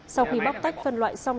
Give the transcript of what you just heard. sau khi bóc tách phân loại xong